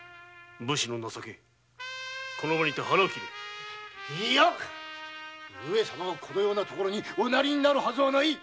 武士の情けこの場にて腹を切れ上様がこのような所にお成りになるはずがない。